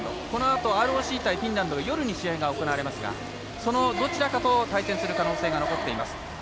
このあとＲＯＣ対フィンランドは夜に試合が行われますがそのどちらかと対戦する可能性が残っています。